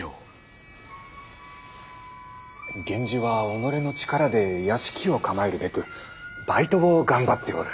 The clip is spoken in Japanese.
源氏は己の力で屋敷を構えるべくばいとを頑張っておる。